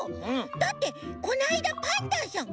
だってこないだパンタンさん